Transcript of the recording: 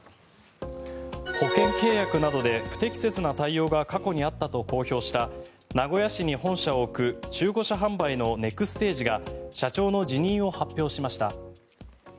保険契約などで不適切な対応が過去にあったと公表した名古屋市に本社を置く中古車販売のネクステージが社長の辞任を発表しました。